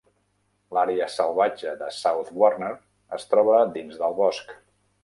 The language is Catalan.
L"àrea salvatge de South Warner es troba dins del bosc.